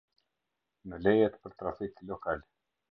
Ne lejet për trafik lokal.